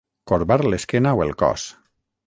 Corbar l'esquena o el cos.